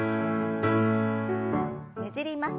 ねじります。